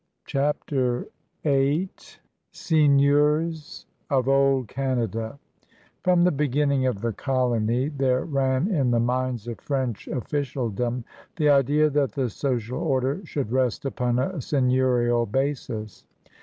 CHAPTER Vm SEIGNEURS OF OLD CANADA From tlie beginning of the colony there ran in the minds of French officialdom the idea that the social order should rest upon a seigneurial basis.